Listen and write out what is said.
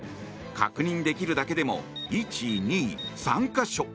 確認できるだけでも１、２、３か所。